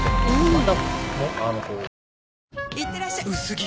いってらっしゃ薄着！